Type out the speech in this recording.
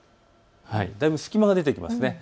だいぶ隙間が出てきますね。